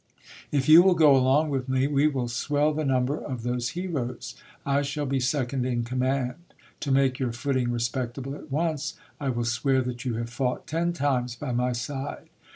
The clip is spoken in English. If you will go along with me, we will swell the number of those heroes. I shall be second in command. To make your footing respectable at once, I will swear that you have fought ten times by my side.